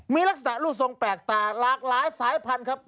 มีลักษณะรูปทรงแปลกตาหลากหลายสายพันธุ์ครับ